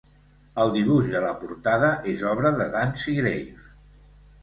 El dibuix de la portada és obra de Dan Seagrave.